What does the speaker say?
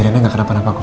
tidak ada masalah